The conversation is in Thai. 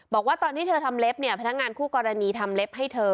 บอกว่าตอนที่เธอทำเล็บเนี่ยพนักงานคู่กรณีทำเล็บให้เธอ